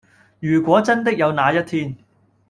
如果真的有那一天